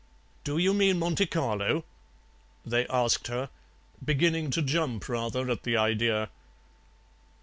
"'Do you mean Monte Carlo?' they asked her, beginning to jump rather at the idea.